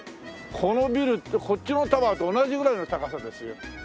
このビルってこっちのタワーと同じぐらいの高さですよ。